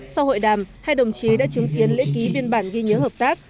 sau hội đàm hai đồng chí đã chứng kiến lễ ký biên bản ghi nhớ hợp tác